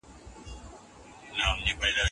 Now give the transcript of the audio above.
که دوی ډډه نه کول، نو قاضي به ئې منع کوي.